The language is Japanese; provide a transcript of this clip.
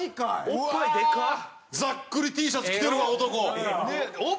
ざっくりＴシャツ着てるわ男。